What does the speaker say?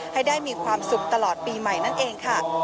ให้ได้มีความสุขตลอดปีใหม่นั่นเองค่ะ